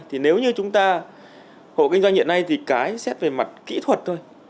thì nếu như chúng ta hộ kinh doanh hiện nay thì cái xét về mặt kỹ thuật thôi